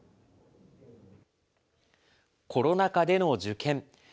コロナ禍での受験。